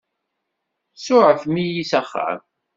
Tsuɛfem-iyi s axxam.